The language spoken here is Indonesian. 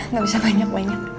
gak bisa banyak banyak